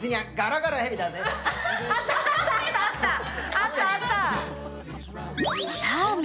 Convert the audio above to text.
あった、あった！